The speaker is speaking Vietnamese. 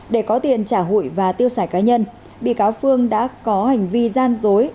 để có tiền trả hụi và tiêu xài cá nhân bị cáo phương đã có hành vi gian dối